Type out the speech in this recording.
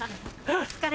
お疲れ。